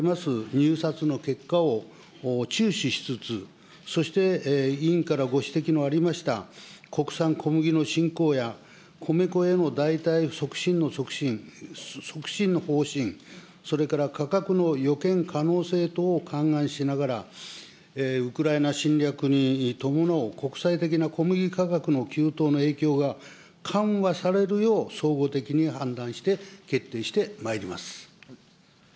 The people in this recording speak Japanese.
入札の結果を注視しつつ、そして委員からご指摘のありました、国産小麦の振興や、米粉への代替促進の方針、それから価格の予見可能性等を勘案しながら、ウクライナ侵略に伴う国際的な小麦価格の急騰の影響が緩和されるよう、総合的に判断して決定してまいります。